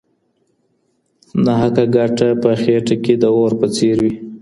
ناحقه ګټه په خيټه کي د اور په څېر وي.